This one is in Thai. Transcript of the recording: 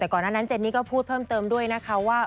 แต่ก่อนนั้นเจนนี่ก็พูดเพิ่มเติมด้วยนะคะว่า